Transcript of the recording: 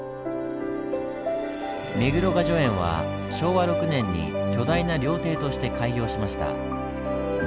目黒雅叙園は昭和６年に巨大な料亭として開業しました。